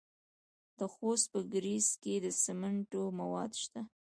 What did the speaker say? د خوست په ګربز کې د سمنټو مواد شته.